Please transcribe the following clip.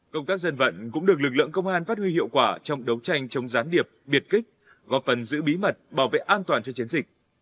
công tác dân vận cũng được lực lượng công an phát huy hiệu quả trong đấu tranh chống gián điệp biệt kích góp phần giữ bí mật bảo vệ an toàn cho chiến dịch